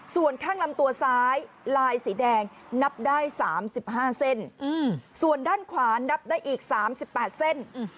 ส่วนข้างลำตัวซ้ายลายสีแดงนับได้๓๕เส้นส่วนด้านขวานับได้อีก๓๘เส้น